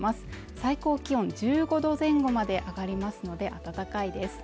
最高気温１５度前後まで上がりますので暖かいです